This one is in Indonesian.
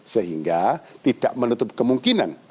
sehingga tidak menutup kemungkinan